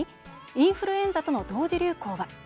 インフルエンザとの同時流行は？